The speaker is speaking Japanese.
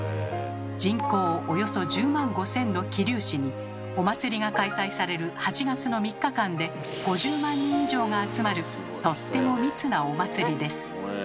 人口およそ１０万５，０００の桐生市にお祭りが開催される８月の３日間で５０万人以上が集まるとっても密なお祭りです。